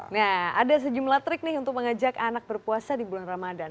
nah ada sejumlah trik nih untuk mengajak anak berpuasa di bulan ramadan